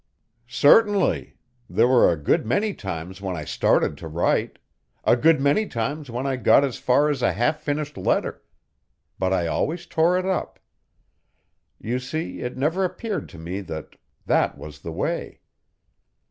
"Certainly. There were a good many times when I started to write; a good many times when I got as far as a half finished letter. But I always tore it up. You see, it never appeared to me that that was the way.